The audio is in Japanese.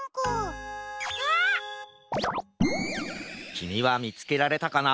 きみはみつけられたかな？